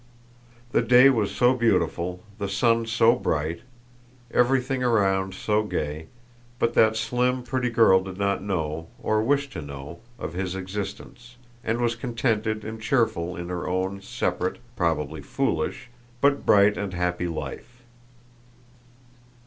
The day was so beautiful, the sun so bright, everything around so gay, but that slim pretty girl did not know, or wish to know, of his existence and was contented and cheerful in her own separate—probably foolish—but bright and happy life.